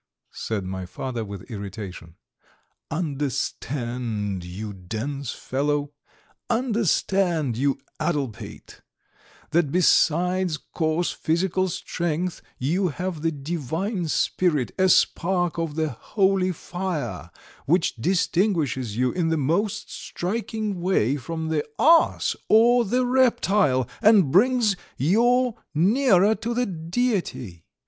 said my father with irritation. "Understand, you dense fellow understand, you addle pate, that besides coarse physical strength you have the divine spirit, a spark of the holy fire, which distinguishes you in the most striking way from the ass or the reptile, and brings you nearer to the Deity!